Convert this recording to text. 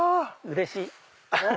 うれしい！